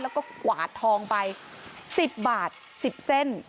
แล้วก็กวาดทองไป๑๐บาท๑๐เส้น